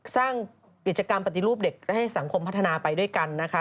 สร้างกิจกรรมปฏิรูปเด็กให้สังคมพัฒนาไปด้วยกันนะคะ